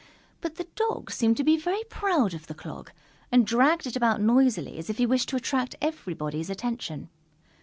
But the Dog seemed to be very proud of the clog and dragged it about noisily as if he wished to attract everybody's attention.